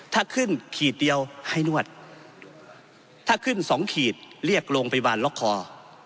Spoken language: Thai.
ถ้าขึ้นขีดเดียวให้นวดถ้าขึ้นสองขีดเรียกโรงพยาบาลล็อกคอ